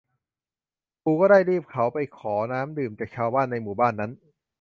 ปู่ก็ได้รีบเขาไปขอน้ำดื่มจากชาวบ้านในหมู่บ้านนั้น